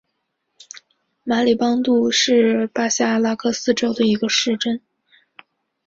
马里邦杜是巴西阿拉戈斯州的一个市镇。